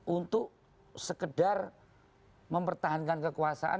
untuk sekedar mempertahankan kekuasaan